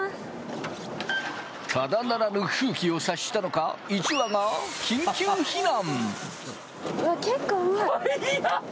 ただならぬ空気を察したのか、１羽が緊急避難！